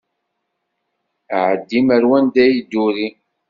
Ɛeddim ar wanda i yedduri!